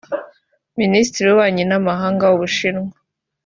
Minisitiri w’Ububanyi n’Amahanga w’u Bushinwa